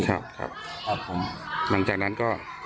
ครับครับผมหลังจากนั้นก็